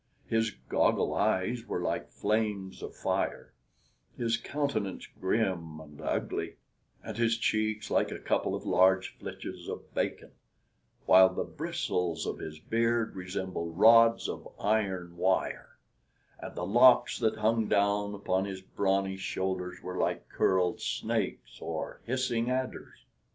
His goggle eyes were like flames of fire, his countenance grim and ugly, and his cheeks like a couple of large flitches of bacon, while the bristles of his beard resembled rods of iron wire, and the locks that hung down upon his brawny shoulders were like curled snakes or hissing adders.